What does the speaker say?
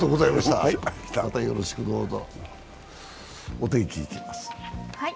お天気にいきます。